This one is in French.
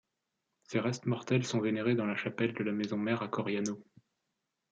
Ses restes mortels sont vénérés dans la chapelle de la maison-mère à Coriano.